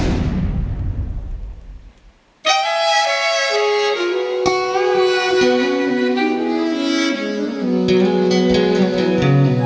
สวัสดีครับ